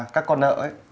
các con nợ